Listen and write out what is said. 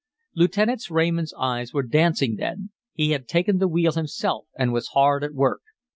Lieutenant Raymond's eyes were dancing then; he had taken the wheel himself and was hard at work.